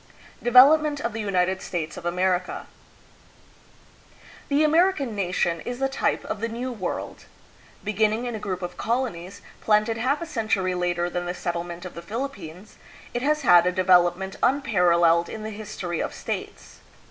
Development of the United States of America. The American nation is the type of the New World. Begin ning in a group of colonies, planted half a century later than the settlement of the Philippines, it has had a de velopment unparalleled in the history of states.